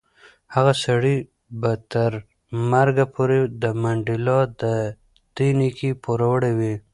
هغه سړی به تر مرګ پورې د منډېلا د دې نېکۍ پوروړی وي.